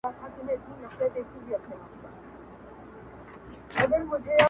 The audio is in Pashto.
ددې بیت مانا داده